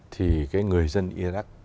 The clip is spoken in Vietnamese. thì cái người dân iraq